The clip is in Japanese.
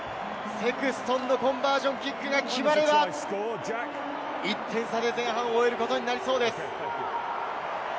セクストンのコンバージョンキックが決まれば、１点差で前半を終えることになりそうです。